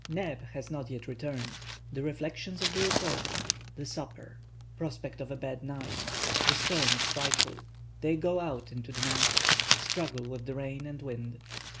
NEB HAS NOT YET RETURNED—THE REFLECTIONS OF THE REPORTER—THE SUPPER—PROSPECT OF A BAD NIGHT—THE STORM IS FRIGHTFUL—THEY GO OUT INTO THE NIGHT—STRUGGLE WITH THE RAIN AND WIND.